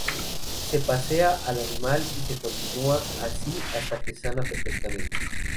Se pasea al animal y se continúa así hasta que sana perfectamente.